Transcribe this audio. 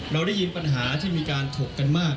เราได้ยินปัญหาที่มีการถกกันมาก